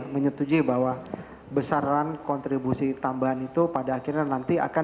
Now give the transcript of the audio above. menyetujui bahwa besaran kontribusi tambahan itu pada akhirnya nanti akan